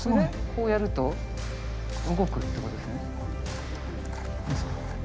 こうやると動くってことですね。